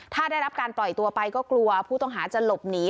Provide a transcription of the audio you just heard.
ถ้าได้รับการปล่อยตัวไปก็กลัวผู้ต้องหาจะหลบหนี